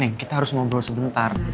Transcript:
yang kita harus ngobrol sebentar